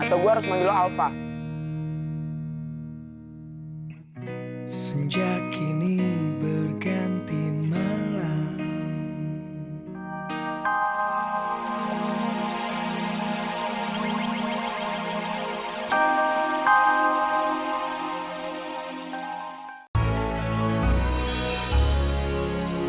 atau gua harus manggil lo alva